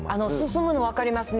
進むの分かりますね。